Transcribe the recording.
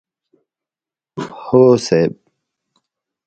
هو صيب!